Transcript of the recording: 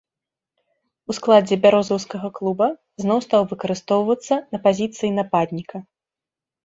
У складзе бярозаўскага клуба зноў стаў выкарыстоўвацца на пазіцыі нападніка.